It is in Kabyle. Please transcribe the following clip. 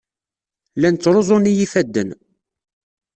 Llan ttruẓun-iyi yifadden.